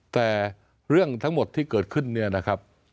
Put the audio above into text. แต่เรื่องทั้งหมดที่เกิดขึ้นเนี่ยนะครับ